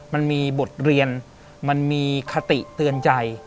มันมีบทเรียนมันมีคติเตือนใจ